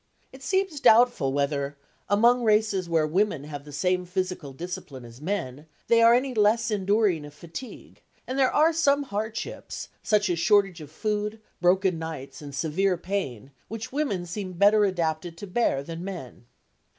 It seems doubtful whether, among races where women have the same physical discipline as men, they are any less enduring of fatigue, and there are some hardships, such as shortage of food, broken nights and severe pain, which women seem better adapted to bear than men.